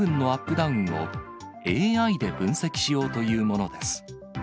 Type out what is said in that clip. ダウンを、ＡＩで分析しようというものです。